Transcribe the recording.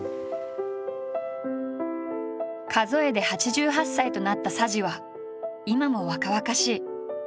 数えで８８歳となった佐治は今も若々しい。